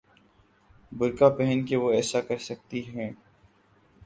برقعہ پہن کے وہ ایسا کر سکتی ہیں؟